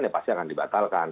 ya pasti akan dibatalkan